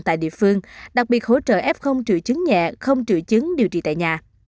tại địa phương đặc biệt hỗ trợ f trữ chứng nhẹ không trữ chứng điều trị tại nhà